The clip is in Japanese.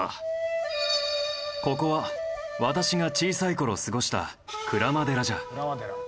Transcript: ここは私が小さい頃過ごした鞍馬寺じゃ。